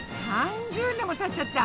３０年もたっちゃった。